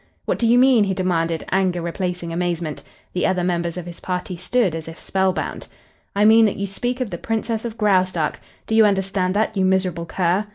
"What do you mean?" he demanded, anger replacing amazement. The other members of his party stood as if spell bound. "I mean that you speak of the Princess of Graustark. Do you understand that, you miserable cur?"